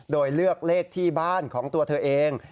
โดยเลือกเลขที่บ้านของตัวเธอเอง